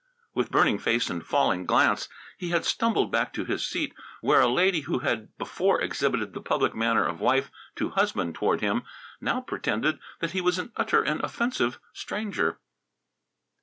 With burning face and falling glance, he had stumbled back to his seat, where a lady who had before exhibited the public manner of wife to husband toward him, now pretended that he was an utter and offensive stranger.